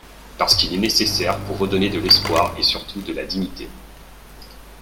parce qu’il est nécessaire pour redonner de l’espoir et surtout de la dignité.